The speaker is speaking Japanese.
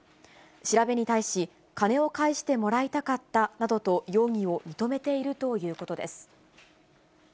調べに対し、金を返してもらいたかったなどと、容疑を認めているということです。